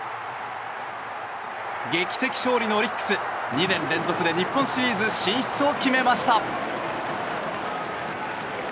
劇的勝利のオリックス２年連続で日本シリーズ進出を決めました。